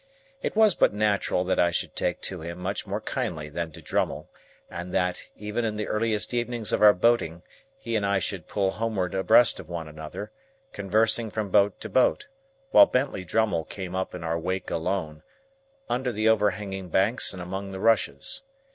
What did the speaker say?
It was but natural that I should take to him much more kindly than to Drummle, and that, even in the earliest evenings of our boating, he and I should pull homeward abreast of one another, conversing from boat to boat, while Bentley Drummle came up in our wake alone, under the overhanging banks and among the rushes.